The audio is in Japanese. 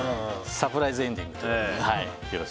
サプライズエンディングということで。